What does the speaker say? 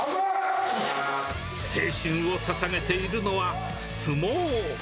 青春をささげているのは、相撲。